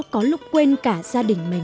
có lúc quên cả gia đình mình